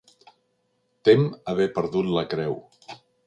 Tem haver perdut la creu.